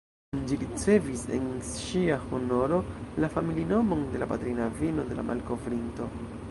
Ĝi ricevis, en ŝia honoro, la familinomon de la patrina avino de la malkovrinto.